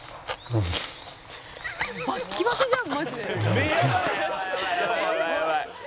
うん！